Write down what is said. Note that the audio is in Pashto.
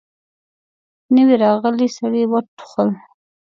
نوي راغلي سړي وټوخل.